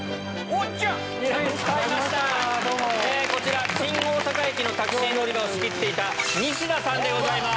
こちら、新大阪駅のタクシー乗り場を仕切っていた、西田さんでございます。